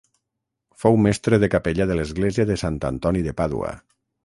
Fou mestre de capella de l'església de Sant Antoni de Pàdua.